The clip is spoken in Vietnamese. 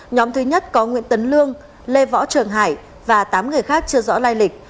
nhóm thứ nhất có nguyễn tấn lương lê võ trường hải và tám người khác chưa rõ lai lịch